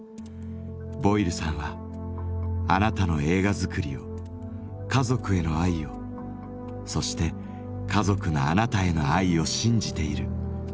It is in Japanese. ボイルさんは「あなたの映画作りを家族への愛をそして家族のあなたへの愛を信じている」と送り出しました。